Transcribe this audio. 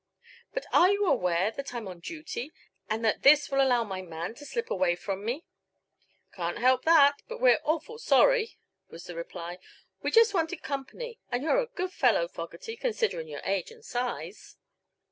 "But are you aware that I'm on duty, and that this will allow my man to slip away from me?" "Can't help that; but we're awful sorry," was the reply. "We just wanted company, an' you're a good fellow, Fogerty, considerin' your age an' size."